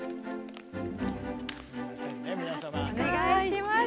お願いします。